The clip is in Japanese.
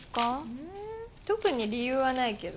うん特に理由はないけど。